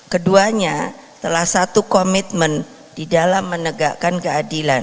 keduanya telah satu komitmen di dalam menegakkan keadilan